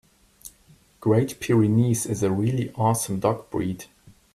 Great Pyrenees is a really awesome dog breed.